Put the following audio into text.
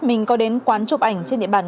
mình có đến quán chụp ảnh trên địa bàn